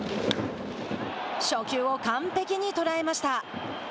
初球を完璧に捉えました。